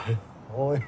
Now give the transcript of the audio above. おい